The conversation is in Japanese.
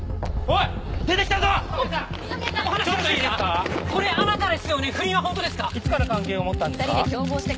いつから関係を持ったんですか？